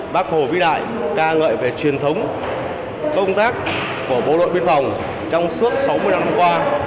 bác hồ vĩ đại ca ngợi về truyền thống công tác của bộ đội biên phòng trong suốt sáu mươi năm qua